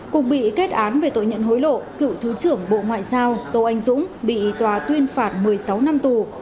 cục bị kết án về tội nhận hối lộ cựu thứ trưởng bộ ngoại giao tô anh dũng bị tòa tuyên phạt một mươi sáu năm tù